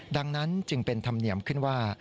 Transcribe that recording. ดังนั้นจึงเป็นธรรมเนียมขึ้นว่า